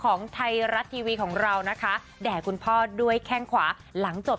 ของไทยรัฐทีวีของเรานะคะแด่คุณพ่อด้วยแข้งขวาหลังจบ